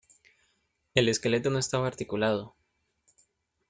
El esqueleto no estaba articulado.